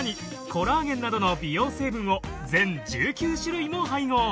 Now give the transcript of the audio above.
コラーゲンなどの美容成分を全１９種類も配合